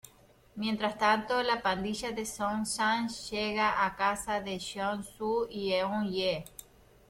Mientras tanto, la pandilla de Joong-sang llega a la casa de Hyun-soo y Eun-hye.